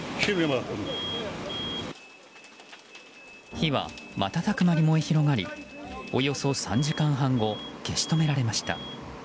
火は瞬く間に燃え広がりおよそ３時間半後消し止められました。